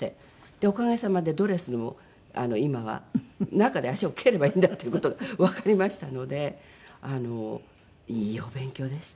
おかげさまでドレスも今は中で足を蹴ればいいんだっていう事がわかりましたのでいいお勉強でした。